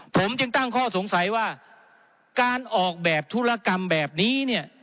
ผมจึงตั้งข้อสงสัยว่าการออกแบบธุรกรรมแบบนี้เนี่ย